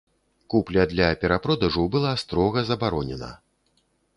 Купля для перапродажу была строга забаронена.